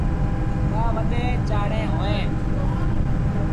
ٻآ وڏيݩ چآڙيٚن اوهيݩ۔